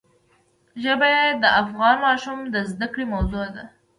ژبې د افغان ماشومانو د زده کړې موضوع ده.